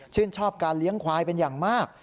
ชอบการเลี้ยงควายเป็นอย่างมาก